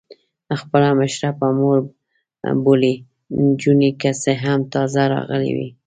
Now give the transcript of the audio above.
خپله مشره په مور بولي، نجونې که څه هم تازه راغلي وې.